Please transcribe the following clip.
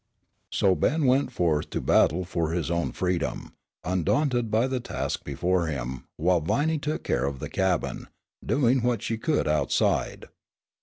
PART II So Ben went forth to battle for his own freedom, undaunted by the task before him, while Viney took care of the cabin, doing what she could outside.